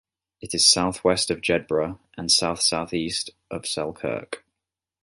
It is south-west of Jedburgh and south-southeast of Selkirk.